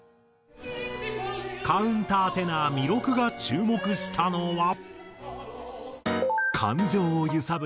カウンターテナー彌勒が注目したのは。